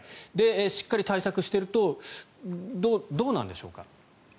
しっかり対策しているとどうなんでしょうか。